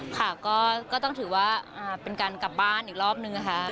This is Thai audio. ค่ะก็ต้องถือว่าเป็นการกลับบ้านอีกรอบนึงนะคะ